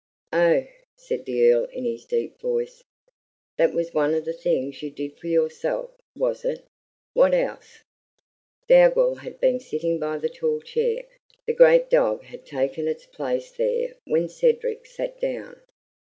"Oh!" said the Earl in his deep voice, "that was one of the things you did for yourself, was it? What else?" Dougal had been sitting by the tall chair; the great dog had taken its place there when Cedric sat down.